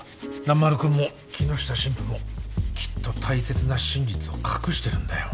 蘭丸君も木下神父もきっと大切な真実を隠してるんだよ。